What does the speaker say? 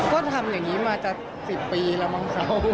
ก็ทำอย่างนี้มาจะ๑๐ปีแล้วมั้งครับ